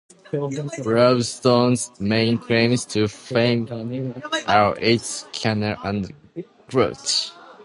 Braunston's main claims to fame are its canal and church.